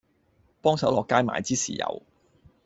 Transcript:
幫手落街買支豉油